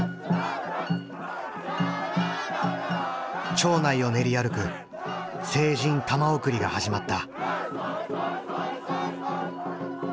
町内を練り歩く成人玉送りが始まった。